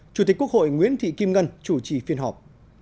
chủ tịch quốc hội nguyễn thị kim ngân chủ trì phiên họp